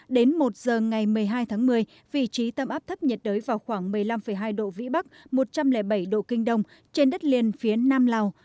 đến một giờ ngày một mươi hai tháng một mươi vị trí tâm áp thấp nhiệt đới vào khoảng một mươi năm hai độ vĩ bắc một trăm linh bảy độ kinh đông trên đất liền phía nam lào